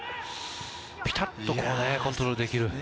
ピタっとコントロールできる。